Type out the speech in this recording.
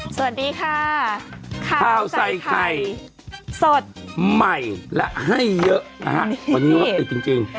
สวัสดีค่ะข้าวใส่ไข่สดใหม่และให้เยอะนะฮะวันนี้รถติดจริง